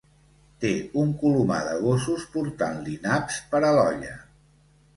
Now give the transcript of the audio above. Té un colomar de gossos portant-li naps per a l'olla.